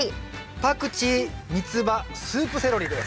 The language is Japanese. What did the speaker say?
パクチーミツバスープセロリです。